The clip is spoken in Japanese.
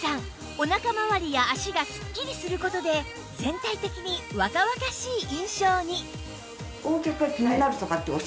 お腹まわりや足がスッキリする事で全体的に若々しい印象に